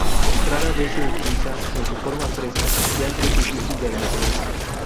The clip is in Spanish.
Rara vez se utiliza en su forma fresca, ya que es difícil de almacenar.